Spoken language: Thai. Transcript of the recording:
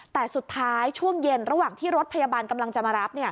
แต่สุดท้ายช่วงเย็นระหว่างที่รถพยาบาลกำลังจะมารับ